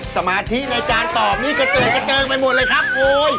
สมาธิในการตอบนี้กระเจินไปหมดเลยครับครู